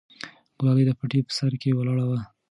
ګلالۍ د پټي په سر کې ولاړه وه.